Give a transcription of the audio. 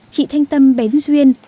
chị thanh tâm bén duyên